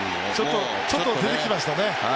ちょっと出てきましたね。